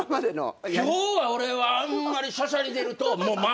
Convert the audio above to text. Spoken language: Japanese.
今日は俺はあんまりしゃしゃり出ると。